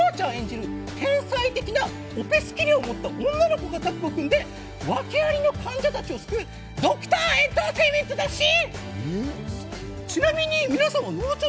ドラマは坂口さん演じる義手の元医者と、乃愛ちゃん演じる天才的なオペスキルを持った女の子がタッグを組んで、ワケありの患者たちを救うドクターエンターテインメントだなっしー！